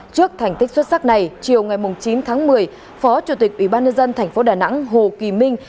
trước thành tích xuất sắc này chiều ngày chín tháng một mươi phó chủ tịch ubnd tp đà nẵng hồ kỳ minh